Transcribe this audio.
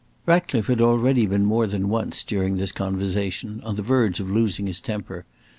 Ratcliffe had already been more than once, during this conversation, on the verge of losing his temper.